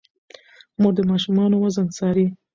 مور د ماشومانو وزن څاري.